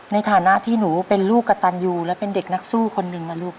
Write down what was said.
ในฐานะที่หนูเป็นลูกกระตันยูและเป็นเด็กนักสู้คนหนึ่งนะลูก